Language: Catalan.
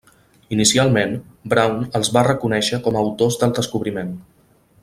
Inicialment, Brown els va reconèixer com a autors del descobriment.